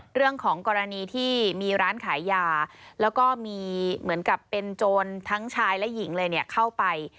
เรื่องของกรณีที่มีร้านขายยาแล้วก็มีเหมือนกับเป็นโจรทั้งชายและหญิงเลยเนี่ยเข้าไป